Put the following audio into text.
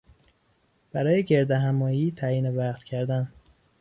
برای گردهمایی تعیین وقت کردن